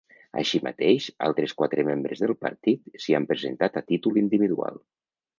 Així mateix, altres quatre membres del partit s’hi han presentat a títol individual.